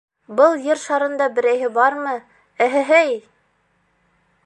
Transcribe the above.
Был Ер шарында берәйһе бармы, эһе-һей?